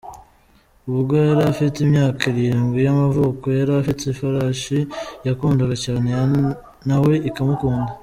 Ubwo yari afite imyaka irindwi y’amavuko yari afite ifarashi yakundaga cyane nawe ikamukunda.